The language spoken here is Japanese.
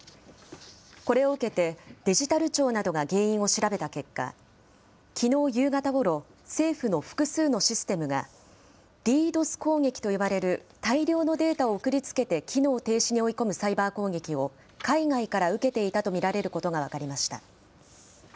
これを受けて、デジタル庁などが原因を調べた結果、きのう夕方ごろ、政府の複数のシステムが、ＤＤｏＳ攻撃と呼ばれる大量のデータを送りつけて、機能停止に追い込むサイバー攻撃を海外から受けていたと見られることが分かりました。